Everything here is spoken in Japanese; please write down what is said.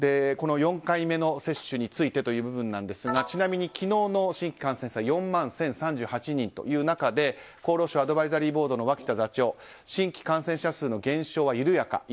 ４回目の接種についてという部分ですがちなみに昨日の新規感染者は４万１０３８人ということで厚労省アドバイザリーボードの脇田座長新規感染者数の減少は緩やか。